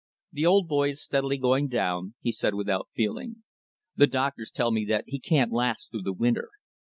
"The old boy is steadily going down," he said without feeling. "The doctors tell me that he can't last through the winter.